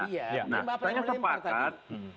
nah saya sepakat